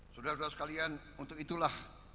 sudah sudah sekalian untuk itulah